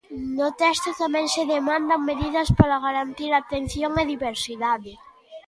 No texto tamén se demandan medidas para garantir a atención á diversidade.